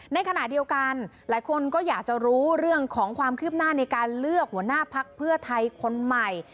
ในขณะเดียวกันหลายคนก็อยากจะรู้เรื่องของความคืบหน้าในการเลือกหัวหน้าพักเพื่อไทยคนใหม่